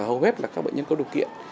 hầu hết là các bệnh nhân có điều kiện